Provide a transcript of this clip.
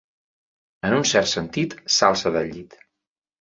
En un cert sentit, s'alça del llit.